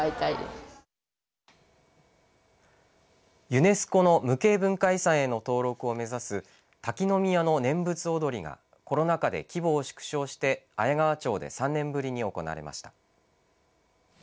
ユネスコの無形文化遺産への登録を目指す滝宮の念仏踊がコロナ禍で規模を縮小して綾川町で３年ぶりに行われました。